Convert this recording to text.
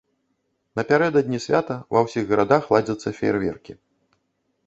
Напярэдадні свята ва ўсіх гарадах ладзяцца феерверкі.